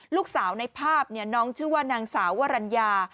ลูกสาวในภาพน้องชื่อว่านางสาววรรณญา